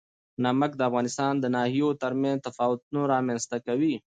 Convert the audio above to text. نمک د افغانستان د ناحیو ترمنځ تفاوتونه رامنځ ته کوي.